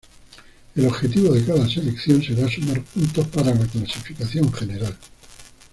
El objetivo de cada selección será sumar puntos para la clasificación general.